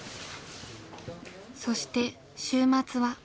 そして週末は。